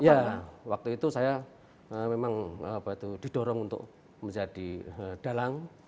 ya waktu itu saya memang didorong untuk menjadi dalang